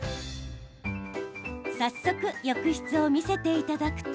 早速、浴室を見せていただくと。